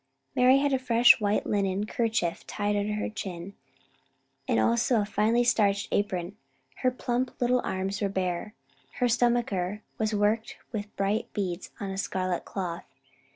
Mari had a fresh white linen kerchief tied under her chin, and also a finely starched apron. Her plump little arms were bare. Her stomacher was worked with bright beads on scarlet cloth.